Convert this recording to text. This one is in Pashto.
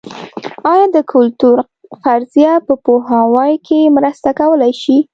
ایا د کلتور فرضیه په پوهاوي کې مرسته کولای شي؟